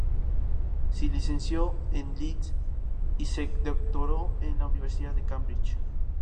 Se licenció en Leeds y se doctoró en la Universidad de Cambridge.